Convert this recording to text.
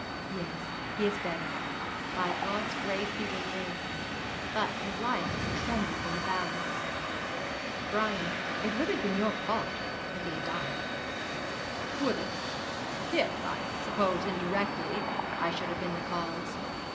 'Yes, he is better. By God's grace, he will live; but his life has trembled in the balance. Brian, it would have been your fault if he had died.' 'Would it? Yes, I suppose indirectly I should have been the cause.